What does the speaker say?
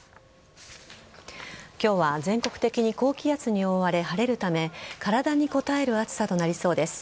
今日は全国的に高気圧に覆われ晴れるため体にこたえる暑さとなりそうです。